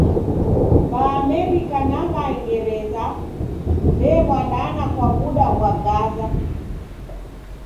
W'aamerika na W'angereza w'ew'adana kwa w'uda ghwa Gaza.